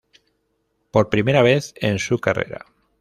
Por primera vez en su carrera.